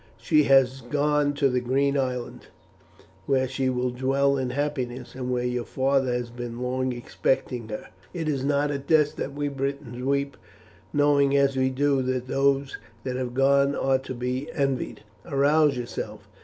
She has gone to the Green Island, where she will dwell in happiness, and where your father has been long expecting her. It is not at a death that we Britons weep, knowing as we do that those that have gone are to be envied. Arouse yourself!